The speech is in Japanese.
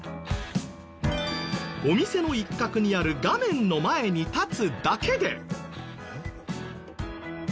お店の一角にある画面の前に立つだけで。